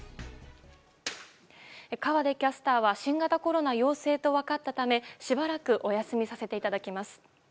河出キャスターは新型コロナ陽性と分かったためしばらくお休みさせていただきます。